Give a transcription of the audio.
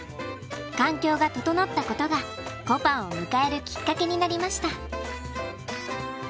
環境が整ったことがこぱんを迎えるきっかけになりました。